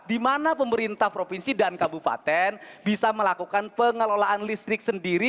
di mana pemerintah provinsi dan kabupaten bisa melakukan pengelolaan listrik sendiri